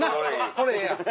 これええやん。